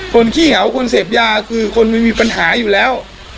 ขี้เหงาคนเสพยาคือคนมันมีปัญหาอยู่แล้ว